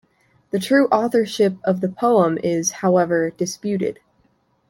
The true authorship of the poem is, however, disputed.